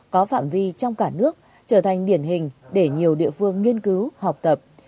có phạm vi trong cả nước trở thành điển hình để nhiều địa phương nghiên cứu học tập